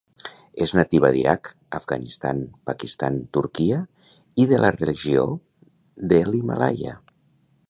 És nativa d'Iraq, Afganistan, Pakistan, Turquia i de la regió de l'Himàlaia.